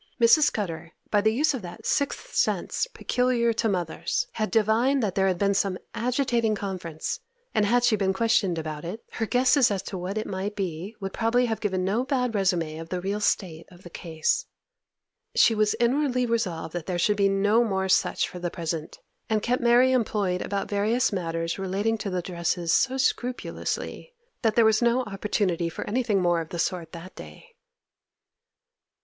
Mrs. Scudder, by the use of that sixth sense peculiar to mothers, had divined that there had been some agitating conference, and had she been questioned about it, her guesses as to what it might be, would probably have given no bad résumé of the real state of the case. She was inwardly resolved that there should be no more such for the present, and kept Mary employed about various matters relating to the dresses so scrupulously, that there was no opportunity for anything more of the sort that day.